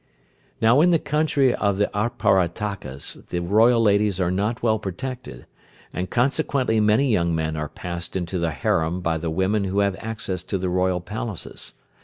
Now in the country of the Aparatakas the royal ladies are not well protected, and consequently many young men are passed into the harem by the women who have access to the royal palaces.